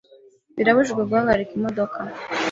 Birabujijwe guhagarika imodoka.